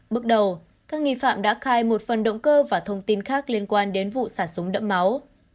bước đầu các nghi phạm đã khai một phần động cơ và thông tin khác liên quan đến vụ xả súng đẫm máu